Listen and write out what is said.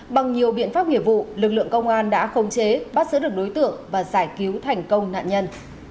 bằng nhiều biện pháp nghiệp vụ lực lượng công an đã không chế bắt giữ được đối tượng và giải cứu thành công nạn nhân